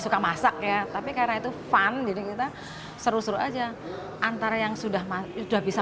suka masak ya tapi karena itu fun jadi kita seru seru aja antara yang sudah bisa